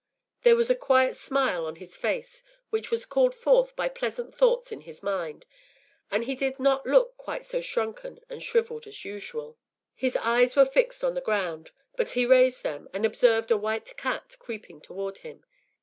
There was a quiet smile on his face, which was called forth by pleasant thoughts in his mind, and he did not look quite so shrunken and shrivelled as usual. His eyes were fixed on the ground, but he raised them, and observed a white cat creeping toward him.